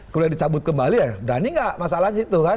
kemudian dicabut kembali ya berani nggak masalahnya itu kan